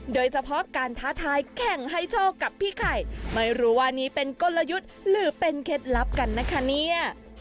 โดยเฉพาะการท้าทายแข่งให้โชคกับพี่ไข่ไม่รู้ว่านี้เป็นกลยุทธ์หรือเป็นเคล็ดลับกันนะคะเนี่ย